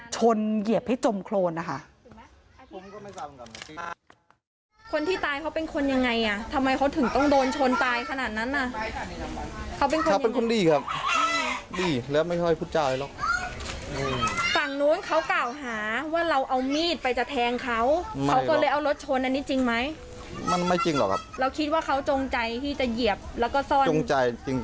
เหยียบให้จมโครนนะคะ